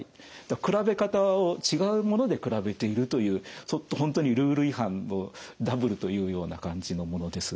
比べ方を違うもので比べているという本当にルール違反のダブルというような感じのものです。